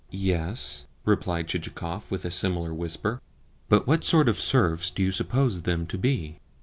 "Yes," replied Chichikov with a similar whisper, "but what sort of serfs do you suppose them to be?